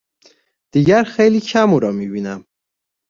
دیگر خیلی کم او را میبینم.